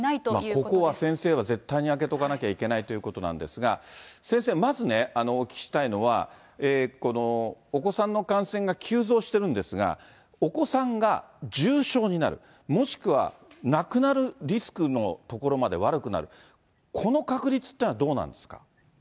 ここは先生は絶対に空けとかなきゃいけないということなんですが、先生、まずね、お聞きしたいのは、お子さんの感染が急増してるんですが、お子さんが重症になる、もしくは亡くなるリスクのところまで悪くなる、この確率ってのはどうなんですか？